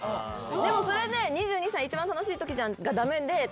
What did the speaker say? でもそれで２２歳一番楽しいときじゃんが駄目で。